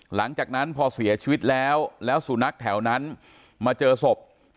หลังจากนั้นพอเสียชีวิตแล้วแล้วสุนัขแถวนั้นมาเจอศพ